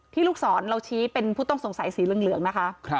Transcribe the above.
ลูกศรเราชี้เป็นผู้ต้องสงสัยสีเหลืองนะคะ